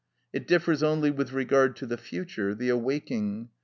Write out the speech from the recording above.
It differs only with regard to the future, the awaking.